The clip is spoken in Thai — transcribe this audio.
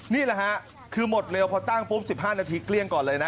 นี่แหละฮะคือหมดเร็วพอตั้งปุ๊บ๑๕นาทีเกลี้ยงก่อนเลยนะ